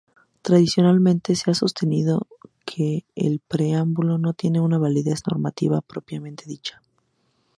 Tradicionalmente se ha sostenido que el preámbulo no tiene una validez normativa propiamente dicha.